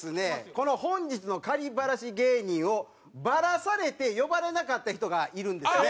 この本日のバラシ芸人をバラされて呼ばれなかった人がいるんですね。